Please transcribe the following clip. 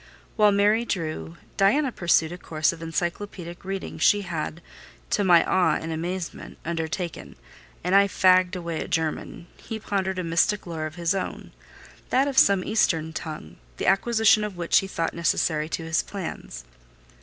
While Mary drew, Diana pursued a course of encyclopædic reading she had (to my awe and amazement) undertaken, and I fagged away at German, he pondered a mystic lore of his own: that of some Eastern tongue, the acquisition of which he thought necessary to his plans.